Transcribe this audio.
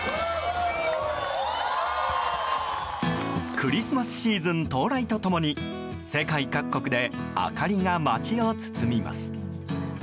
クリスマスシーズン到来と共に世界各国で明かりが街を包みます。